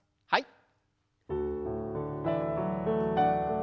はい。